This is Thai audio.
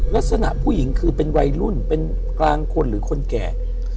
ลักษณะผู้หญิงคือเป็นวัยรุ่นเป็นกลางคนหรือคนแก่